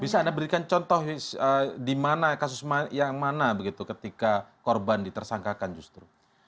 bisa anda berikan contoh di mana kasus yang mana begitu ketika korban ditersangkakan justru